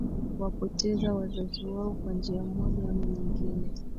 wapoteza wazazi wao kwa njia moja ama nyingine